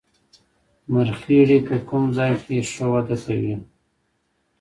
مرخیړي په کوم ځای کې ښه وده کوي